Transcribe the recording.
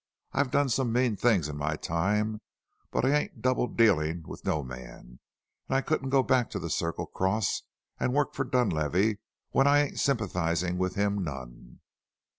I've done some mean things in my time, but I ain't dealin' double with no man, an' I couldn't go back to the Circle Cross an' work for Dunlavey when I ain't sympathizin' with him none."